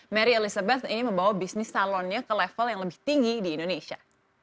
mary elizabeth ini membawa bisnis salonnya ke level yang lebih tinggi di indonesia